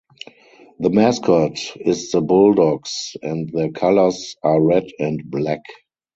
The mascot is the Bulldogs and their colors are red and black.